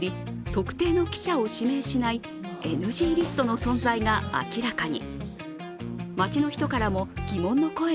特定の記者を指名しないＮＧリストの存在が明らかに。